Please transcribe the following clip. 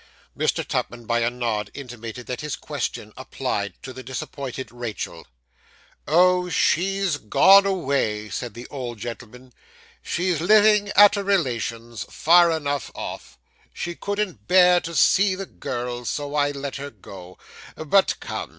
Mr. Tupman, by a nod, intimated that his question applied to the disappointed Rachael. 'Oh, she's gone away,' said the old gentleman. 'She's living at a relation's, far enough off. She couldn't bear to see the girls, so I let her go. But come!